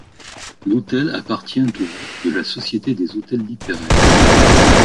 L'hôtel appartient au groupe de la Société des Hôtels Littéraires.